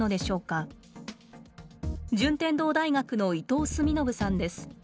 順天堂大学の伊藤澄信さんです。